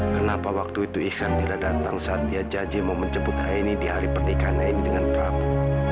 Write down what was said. kenapa waktu itu iksan tidak datang saat dia jajik mau menjemput aini di hari pernikahan aini dengan prabu